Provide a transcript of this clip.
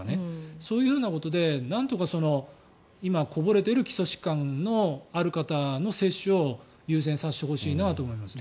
そういうことでなんとか今、こぼれている基礎疾患のある方の接種を優先させてほしいなと思いますね。